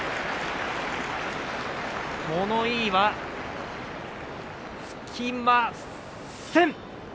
物言いはつきません。